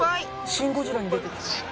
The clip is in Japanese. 『シン・ゴジラ』に出てきそう。